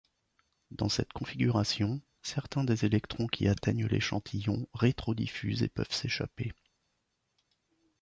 Dans cette configuration, certains des électrons qui atteignent l'échantillon rétrodiffusent et peuvent s'échapper.